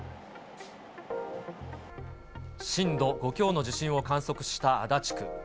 震度５強の地震を観測した足立区。